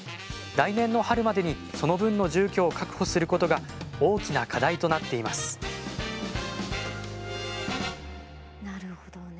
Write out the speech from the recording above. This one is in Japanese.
来年の春までにその分の住居を確保することが大きな課題となっていますなるほどね。